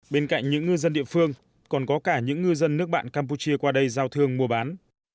bên cạnh những ngư dân địa phương còn có cả những ngư dân nước bạn campuchia qua đây giao thương mua bán